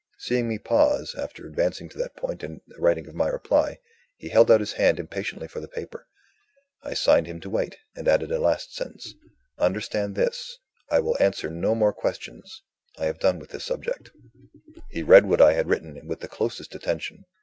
Seeing me pause, after advancing to that point in the writing of my reply, he held out his hand impatiently for the paper. I signed him to wait, and added a last sentence: "Understand this; I will answer no more questions I have done with the subject." He read what I had written with the closest attention.